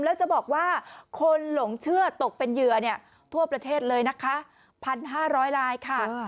แล้วจะบอกว่าคนหลงเชื่อตกเป็นเหยื่อทั่วประเทศเลยนะคะ๑๕๐๐ลายค่ะ